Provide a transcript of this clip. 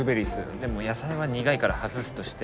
でも野菜は苦いから外すとして。